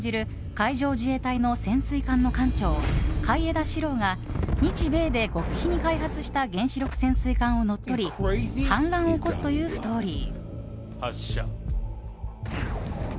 海上自衛隊の潜水艦の艦長海江田四郎が日米で極秘に開発した原子力潜水艦を乗っ取り反乱を起こすというストーリー。